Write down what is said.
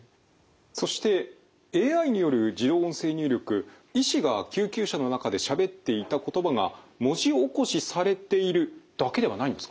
そしてＡＩによる自動音声入力医師が救急車の中でしゃべっていた言葉が文字起こしされているだけではないんですか？